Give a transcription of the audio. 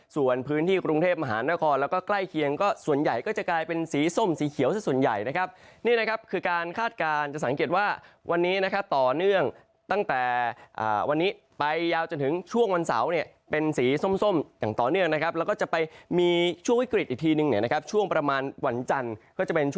ส่วนพื้นที่กรุงเทพมหานครแล้วก็ใกล้เคียงก็ส่วนใหญ่ก็จะกลายเป็นสีส้มสีเขียวสักส่วนใหญ่นะครับนี่นะครับคือการคาดการณ์จะสังเกตว่าวันนี้นะครับต่อเนื่องตั้งแต่วันนี้ไปยาวจนถึงช่วงวันเสาร์เนี่ยเป็นสีส้มอย่างต่อเนื่องนะครับแล้วก็จะไปมีช่วงวิกฤตอีกทีนึงเนี่ยนะครับช่วงประมาณวันจันทร์ก็จะเป็น